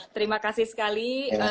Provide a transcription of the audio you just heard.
terima kasih sekali